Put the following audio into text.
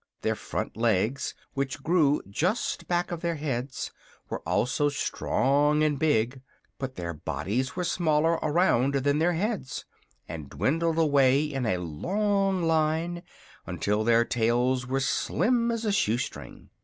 Their front legs, which grew just back of their heads, were also strong and big; but their bodies were smaller around than their heads, and dwindled away in a long line until their tails were slim as a shoe string.